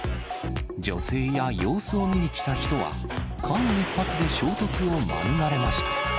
女性や様子を見に来た人は、間一髪で衝突を免れました。